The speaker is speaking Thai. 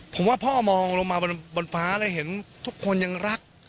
ผมว่าพ่อมองลงมาบนฟ้าแล้วเห็นทุกคนยังรัก